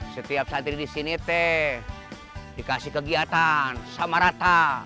setiap santri di sini teh dikasih kegiatan sama rata